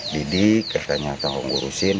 didik katanya tolong gurusin